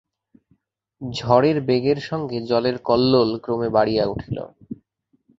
ঝড়ের বেগের সঙ্গে জলের কল্লোল ক্রমে বাড়িয়া উঠিল।